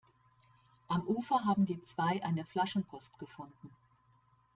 Am Ufer haben die zwei eine Flaschenpost gefunden.